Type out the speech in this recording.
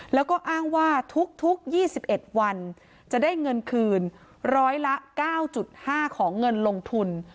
แล้วก็อ้างว่าทุก๒๑วันจะได้เงินคืนร้อยละ๙๕ของเงินลงทุน